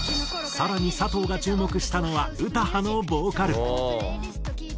更に佐藤が注目したのは詩羽のボーカル。